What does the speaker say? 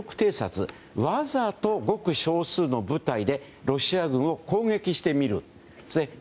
わざと、ごく少数の部隊でロシア軍を攻撃してみるんですね。